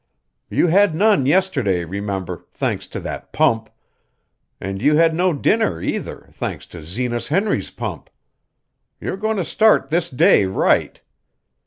You had none yesterday, remember, thanks to that pump; an' you had no dinner either, thanks to Zenas Henry's pump. You're goin' to start this day right.